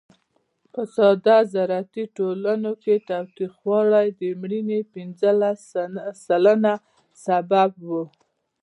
په ساده زراعتي ټولنو کې تاوتریخوالی د مړینو پینځلس سلنه سبب و.